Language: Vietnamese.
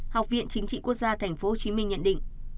học viện chính trị quốc gia tp hcm nhận định